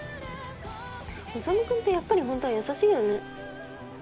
修君ってやっぱりホントは優しいよね。